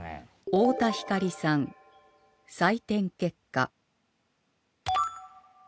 太田光さん採点結果